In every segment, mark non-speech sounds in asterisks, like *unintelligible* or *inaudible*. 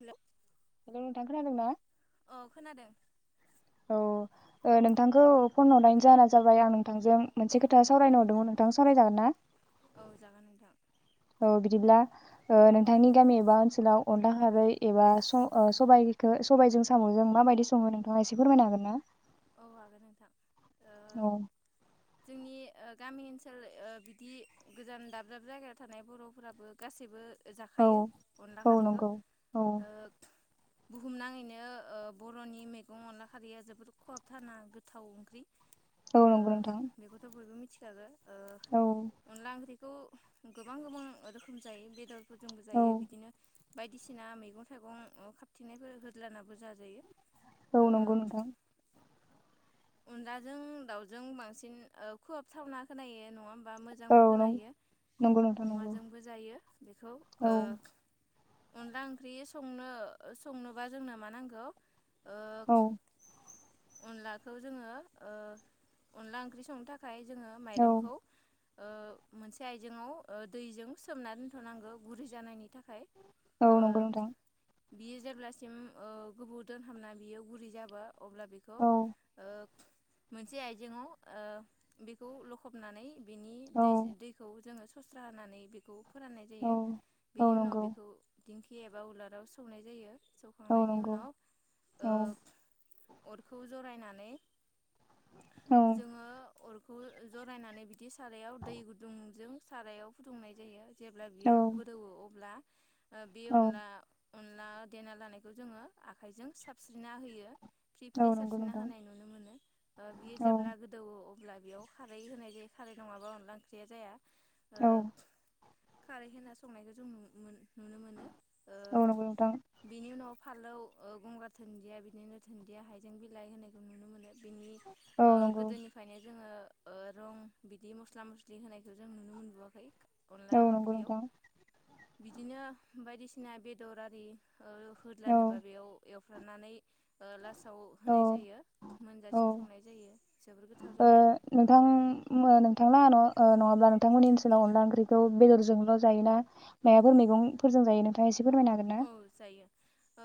Hello hello नोंथां खोनादों ना? औ खोनादों औ नोंथांखौ फन हरनायनि जाहोना जाबाय आं नोंथांजों मोनसे खोथा सावरायनो हरदोंमोन नोंथां सावरायजागोन ना? औ जागोन नोंथां औ बिदिब्ला नोंथांनि गामि एबा ओनसोलाव अनला खारै एबा सबाइखौ सबाइजों साम'जों माबायदि सो नोंथाङा एसे फोरमायनो हागोन ना। औ आगोन नोंथां ओ औ जोंनि गामि ओनसोल बिदि गोजान दाब दाब जायगायाव थानाय बर'फोराबो गासैबो औ जाखायो अनला औ खारैखो नंगौ औ ओ बुहुमनाङैनो ओ बर'नि मैगं अनला खारैया जोबोर खद थाना गोथाव ओंख्रि औ ओ नंगौ नोंथां बेखौथ' बयबो मिथ मिथिखागो औ ओ अनला ओंख्रि खौ गोबां गोबां रोखोम जायो बेदर फोरजोंबो औ जायो बिदिनो बायदिसिना मैगं थाइगं ओ खाबथिंनायफोर होदलानाबो जाजायो औ नंगौ नोंथां अनदाजों दाउजों बांसिन ओ खुहाबथावना खोनायो नङा होम बा औ मोजांबो नं खोनायो नंगौ नोंथां नंगौ अमाजोंबो जायो बेखौ औ ओ अनला ओंख्रि संनो संनोबा जोंनो मा नांगौ औ अनला खो जोङो ओ अनला ओंख्रि संनो थाख खाय जोङो औ माइरंखौ ओ मोनसे आइजेंआव दैजों सोमना दोनथ'नांगौ गुरै जानायनि थाख औ नंगौ नोंथां बियो जेब्लासिम ओ गोबौ दोनहाबना बियो गुरै जाबा अब्ला बेखौ औ *unintelligible* मोनसे आइजेंआव बेखौ लखबनानै बिनि औ दै दैखौ जोङो फोस्रा नानै बेखौ फोराननाय औ जायो औ बेनि उनाव नंगौ बेखौ दिंखि एबा उलाराव सौनाय जायो औ जौखांनायनि नंगौ उनाव ओ औ अरखौ जरायनान औ जोङो अर खौ जरायनानै बिदिस सारायाव दै गुदुंजों सारायाव फुदुंनाय जायो जेब्ला बियो औ गोदौवो अब्ला ओ बि औ अनला अनला देना लानायखौ जोङो आखाइजों साबस्रिना होयो। फ्रि औ फ्रि नंगौ सास्रिना नोंथां होनायनि ओ बियो औ जेब्ला गोदौवो अ ब्ला बेयाव खारै होनाय जायो खारै नङाबा अनला ओंख्रिया जाया। ओ औ। खारै होना संनायखौ जों नुनो मोन नुनो मोनो ओ औ नंगौ नोंथां बेनि उनाव फालौ ओ गंगार धोन्दिया बिदिनो धोन्दिया हाइजें बिलाइ होनाय बिनि औ ओ नंगौ गोदोनिफ्रायनो जोङो ओ रं बिदि मस्ला मस्लि होनायखौ जों नुनो मोनबुवाखै। अनला औ नंगौ ओंख्रियाव। नोंथां बिदिनो बायदिसिना बेदर आरि ओ औ होदलानोबा बेयाव एव फ्रामनानै ओ लासाव औ होनाय जायो। औ मोनजासिम संनाय जायो जोबोर गोथाव अ जायो नोंथां *unintelligible* नोंथालाङा न'आ ओ नङाब्ला नोंथांमोननि ओनसोलाव अनला ओंख्रिखौ बेदरजोंल' जायो ना माबाफोर मैगंफोरजों जायो नोंथाङा एसे फोरमायनो हागोन ना औ जायो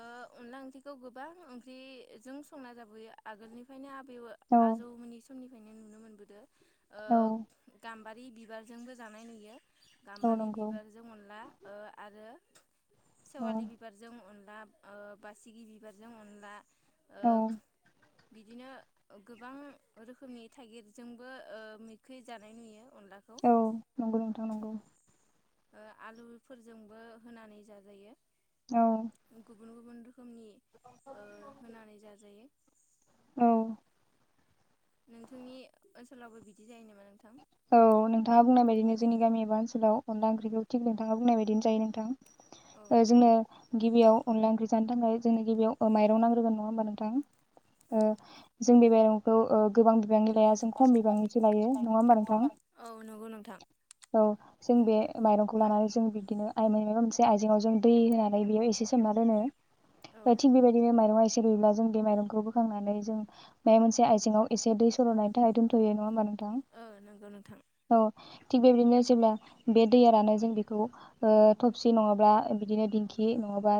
ओ अनद्ला ओंख्रिखौ गोबां ओंख्रिजों संना जाबोयो आगोलनिफ्रायनो आ बैवो औ आजौमोननि समनि ओ औ गाम बारि बिबारजोंबो जानाय नुयो। औ गाम्बारि नंगौ बिबारजों अनला ओ आरो औ सेवालि बिबारजों अन ला ओ बासिगि बिबारजों अनला ओ अ। बिदिनो गोबां रोखोमनि थाइगिरजोंबो ओ मोखै जानाय नुयो। अनलाखौ औ नंगौ नोंथां नंगौ। ओ आलुफोरजोंबो होनानै जाजायो। औ *unintelligible* रोखोमनि ओ होनानै जाजायो। औ नोंथांनि ओनसोलावबो बिदि जायो नामा नोंथां? औ नोंथाङा बुंनाय बायदिनो जोंनि गामि एबा ओनसोलाव अनला ओंख्रिखौ थिग नोंथाङा बुंनाय बायदिनो जायो औ नोंथां। जोंनो गिबियाव अनला ओंख्रि जानो थाखाय जोंनो गिबियाव ओ माइरं नांग्रोगोन नङा होमबा नोंथां? औ ओ जों बि माइरंखौ ओ गोबां बिबांनि लाया जों खम बिबांनिसो लायो नङा ओम्बा नों औ नोंगौ नोंथां। जों बे माइरंखौ लानानै जों बिदिनो *unintelligible* मोनसे आइजेंआव जों दै होनानै बेयाव एसे सोमना दोनो। औ थिग बेबायदिनो माइरंआ इसे रुयोब्ला जों बे माइरंखौ बोखांनानै जों माया मोनसे आइजेंआव एसे दै सोर'नायनि थाखाय दोनथ'यो नङा होमबा नों थां? गौ नोंथां। थिग बेबिदिनो जेब्ला बे दैया रानो जों बेखौ ओ थबसि नङाब्ला बिदिनो दिंखि नङाबा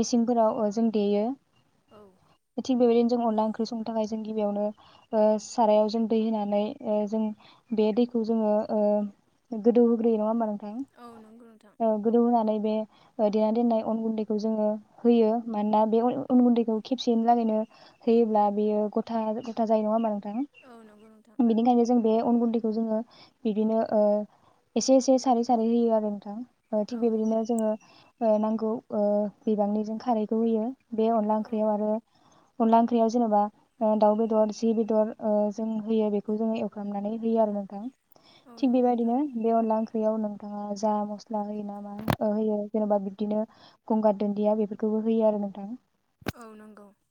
मेचिनफोराव ओ जों देयो। औ थिग बेबेदिनो जों अनला ओंख्रि संनो थाखाय जों गिबियावनो ओ सारायाव जों दै होनानै ओ जों बे दैखौ जोङो ओ गोदौहोग्रोयो नङा होमबा नों औ नंगौ नोंथां थां ओ गोदौ होनानै बे देना ओ दोनाय अन गुन्दैखौ जोङो होयो। मानोना बे अय-अन गुन्दैखौ खेबसेयैनि लागायनो होयोब्ला बेयो गथा गथा जायो नङा ओमबा नों थां? औ नंगौ नोंथां बिनिखायनो जों बे अन गुन्दै खौ जोङो बिदिनो ओ एसे एसे सारै सारै होयो आरो नोंथां। ओ थिग औ बेबिदिनो नंगौ जोङो ओ नोंगौ ओ बिबांनि जों खारैखौ होयो। बे अनला औ ओंख्रियाव आरो अनला ओंख्रियाव जेनेबा ओ दाउ बेदर जि बेदर ओ जों होयो बेखौ जोङो एवफ्रामनानै होयो आरो नोंथां। औ थिग नंगौ नोंथां बेबादिनो बे अनला ओं ख्रियाव नोंथाङा जा मस्ला होयो नामा ओ होयो जेनेबा बिदिनो गंगार दोन्दिया बेफोरखोबो होयो आरो नोंथां। औ नंगौ औ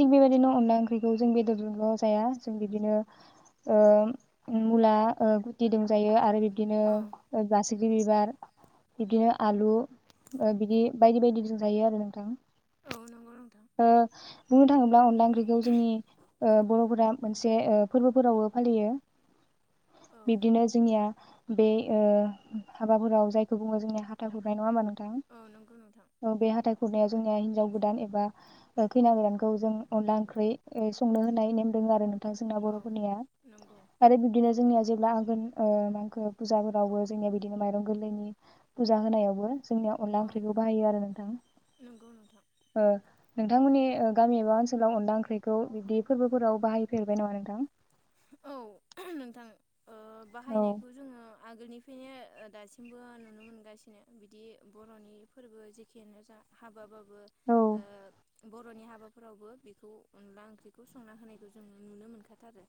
थिग बेबायदिनो अनला ओंख्रिखौ जों बेदरजोंल' जाया जों बिदिनो ओम मुला ओ गुथिदोंबो जायो आरो बि दिनो औ ओ गासै *unintelligible* बिबार बिदिनो आलु ओ बिदि बायदि बायदिजों जायो आरो नोंथां नंगौ नोंथां ओ बुंनो थाङोब्ला बा ओंख्रिखौ जोंनि ओ बर'फोरा मोनसे ओ फोरबोफोरावबो फालियो। औ बिब्दिनो जोंनिया बे ओह हाबाफोराव जायखौ बुङो जोंनिया हाथा हुरनाय नङा होनबा नों थां औ नंगौ नोंथां औ बे हाथा खुरनाय। जोंनिया हिन्जाव गोदान एबा ओह खैना गोदानखौ जों अनला ओंख्रि ओह संनो होनाय नेमदों आरो नोंथां जोंना औ बर'फोरनिया। नंगौ आरो बिब्दिनो जोंनिया जेब्ला आगोन ओह माखो फुजाफोरावबो जोंनिया बिदिनो माइरं गोरलैनि फुजा होनायावबो जोंनिया अनला औ ओंख्रिखौ बाहायो आरो नोंथां नंगौ नोंथां ओ नोंथांमोननि गामि एबा ओनसोलाव अनला ओंख्रिखौ बिदि फोरबोफोराव बाहायफेरबाय नामा नोंथां? औ नोंथां। ओह औ बाहायनायखौ जोङो आगोलनिफ्रायनो दासिमबो नुनो मोनगासिनो बिदि बर'नि फोरबो जेखियानो जा हाबाबा बो औ ओह बर'नि हाबाफोरावबो बेखौ अनला ओंख्रिखौ संना होनायखौ जों नुनो मोनखाथारो।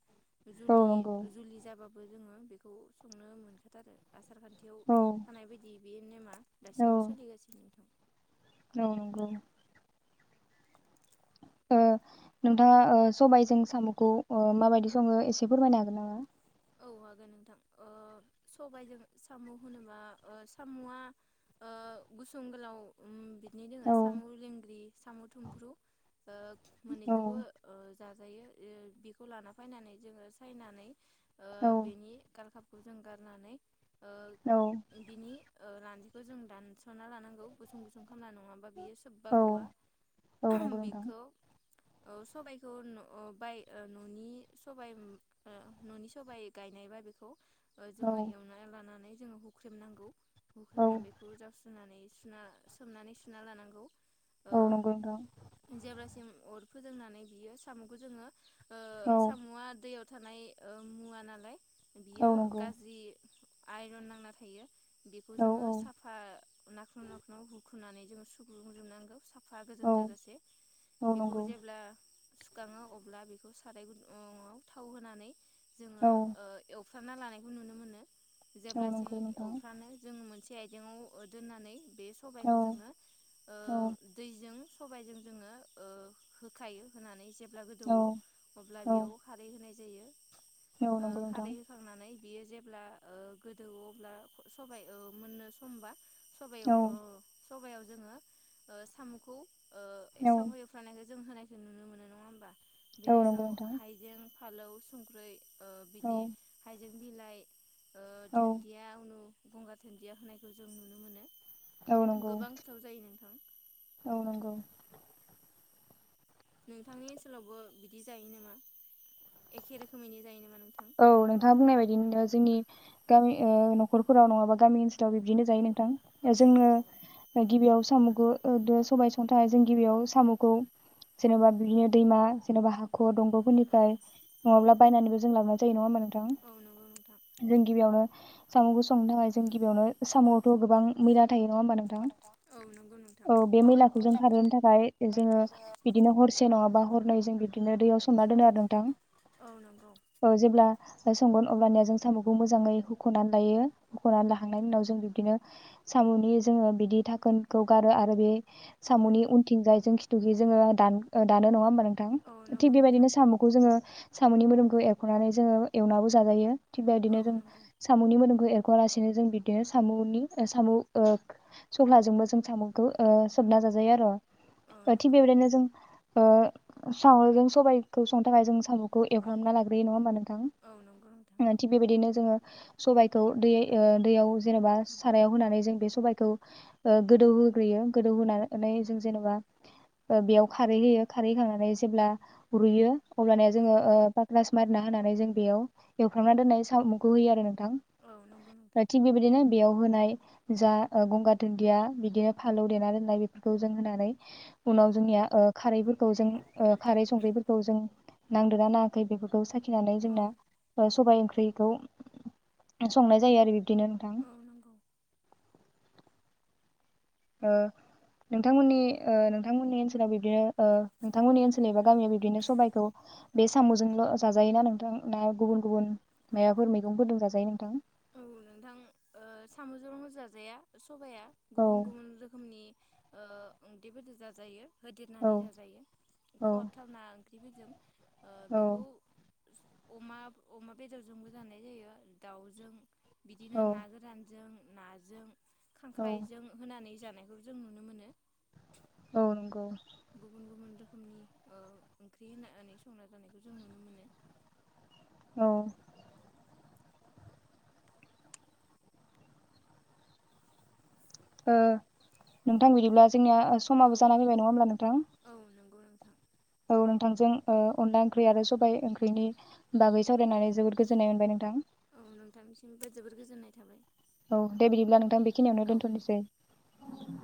औ जुलि नंगौ जुलि जाबाबो जोङो बेखौ संनो मोनखाथारो *unintelligible* आसारखान्थियाव औ थानाय बायदि। बे नेमा औ दासिमबो सोलिगासिनो नोंथां। औ नंगौ। नोंथाङा ओ सबायजों साम'खौ ओ माबायदि सङो एसे फोरमायनो हागोन नामा? औ हागोन नोंथां ओ सबायजों साम' होनोबा ओ साम'आ ओह गुसुं गोलाव बिनि दोङो औ साम' लेंग्रि साम' थुमफ्रु ओह औ मोननैखौबो ओ जाजायो ओ बेखौ लाना फैनानै जोङो सायनानै ओ औ बेनि गालखाब खौ जों गारनानै ओ औ बिनि ओ लान्जिखौ जों दानस'ना लानांगौ गुसुं गुसुं खामना नङाबा बियो सोबबा औ गवा औ नंगौ नोंथां बेखौ औ सबाइखौ न' बाय न'नि सबाय ओ न'नि सबाइ सबाइ गायनायबा बेखौ ओ औ जोङो एवनानै लानानै *inaudible* *inaudible* औ औ नंगौ नोंथां *inaudible* ओ औ साम'आ दैयाव थानाय ओ मुव नालाय बियो औ नंगौ गाज्रि आइरन नांना थायो *inaudible* *inaudible* *inaudible* औ औ औ औ नंगौ सुखाङो अब्ला बेखौ साराय गुुआव थाव होनानै जोङो औ *inaudible* औ जेब्लासिम नंगौ नोंथां अफ्रानो जों मोनसे आइजेंआव दोननानै बे औ सबायखौ जोङो ओ औ दैजों सबायजों जोङो ओ होखायो होनानै औ औ जे *inaudible* *inaudible* औ ओ नंगौ नोंथां खारै होखांनानै *inaudible* *inaudible* *inaudible* *inaudible* औ औ औ नंगौ नोंथां *inaudible* *inaudible* फालौव संख्रै *inaudible* *inaudible* औ ओ औ दोन्दिया उनु *inaudible* औ नंगौ गोबां गोथाव जायो नोंथां औ नंगौ नोंथांनि ओनसोलावबो बिदि जायो नामा एखे रोखोमैनि जायो नामा नों औ नोंथाङा बुंनाय बायदि नो जोंनि गामि ओ न'खरफोराव नङाबा गामि ओनसोलाव बिब्दिनो जायो नोंथां। औ नंगौ जोंनो गिबियाव सामुखौ ओ दो सबाय संनोथाय जों गिबियाव सामुखौ जेनेबा बिदिनो दैमा जेनेबा हाख औ दंगफोरनिफ्राय नङाब्ला बायनानैबो जों लांङो जायो नङा ओमबा नों औ नंगौ नोंथां थां जों गिबियावनो सामुखौ संनो थाखाय जों गिबियावनो सामुआवथ गोबां मैला थायो नङा ओमबा नोंथां? औ नंगौ नोंथां औ बे मैलाखौ जों खारहोनो थाखाय जोंङो बिदिनो हरसे नङा बा हर नै जों बिबदिनो दैयाव सोमना दोनो आरो नोंथां। औ नोंगौ औ जेब्ला संगोन अब्लानिया जों सामुखौ मोजाङै हुखनानै लायो हुखनानै लाखांनायनि उनाव जों बिब्दिनो सामनि जोंङो बिदि धाखोनखौ गारो आरो बे औ सामुनि उनथिंजायजों खि थुखै जोंङो दान ओ दानो नङा ओमबा‌‌ नों औ दथां। नंगौ थिग नोंथां बेबायदिनो सामखौ जोंङो सामनि मोदोमखौ एव खनानै जोंङो एवनाबो जाजायो थिग औ बायदिनो जों नंगौ सामनि मोदोमखौ ए खआ लासेनो जों बिदिनो सामनि ओ सामु ओ सफ्लाजोंबो जों सामखौ ओ सोबना जाजायो आरो औ ओ थिग नंगौ बेबायदिनो जों ओ सामजों सबायखौ संनो थाखाय जों सामखौ एवफ्रामना लाग्रो ग्रोयो नङा ओमबा नों थां? औ नंगौ नोंथां थिग बेबायदिनो जोंङो सबायखौ दै ओ दैयाव जेनेबा सारायाव होनानै जों बे सबायखौ ओ गोदौ होग्रोयो गोदौ होनानै जों जेनेबा ओ बेयाव खारै होयो खारै होखांनानै जेब्ला रुयो अब्लानिया औ जोंङो ओ पाक रास मारिना होनानै जों बेयाव एवफ्रामना दोननाय सामुखौ होयो आरो नों थां। औ नंगौ दा नोंथां थिग बेबायदिनो बेयाव होनाय जा ओ गंगार धुनदिया बिदिनो फालौ देना दोननाय बेफोरखौ जों होनानै औ उनाव जोंनिया ओ खारैफोर खौ जों ओ खारै संख्रैफोरखौ जों नांदो ना खै बेफोर खौ साखिनानै औ जोंना सबाय ओंख्रि ख्रैखौ संनाय जायो आरो बि बिदिनो नोंथां। औ नंगौ ओ नोंथांमोननि ओ नोंथांमोननि ओनसोलाव बिब्दिनो ओ नोंथांमोननि ओनसोल एबा गामियाव बिब्दिनो सबायाइखौ बे सामजोंल जाजायो ना नोंथां ना गुबुन गुबुन माफोर मैगंफोरदों जाजायो नोंथां? औ जाया स सबाया औ गुबुन गुबुन रोखोमनि ओ ओंदै फोरदोजाजायो औ होदेरनानै जाजायो औ खहाबथारना थेवबो जों औ बेखौ अमा अमा बेदरजोंबो जानाय जायो दाउजों बिदिनो औ ना गोरानजों नाजों औ खांख्राइजों होनानै जाबाय नायखौ जों नुनो मोनो गनगौ गुबुन गुबुन रोखोमनि ओंख्रि होनानै संना जानायखौ जों नुनो मोनो औ नोंथां बिदिब्ला जोंनिया समाबो जाना फैबाय नङा होमब्ला नोंथां गौ नोंथां औ नोंथांजों अनला ओंख्रि आरो सबाय ओंख्रिनि बागै सावरायनानै जोबोद गोजोननाय मोनबाय नोंथां औ नोंथांनिसिमबो जोबोर गोजोननाय थाबाय औ दे बिदिब्ला नोंथां बेखिनियावनो औ दोनथ'नोसै नोंथां।